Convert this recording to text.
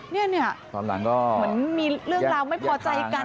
เนี่ยเนี่ยเหมือนมีเรื่องราวไม่พอใจกัน